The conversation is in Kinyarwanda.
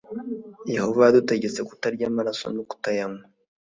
yehova yadutegetse kutarya amaraso no kutayanywa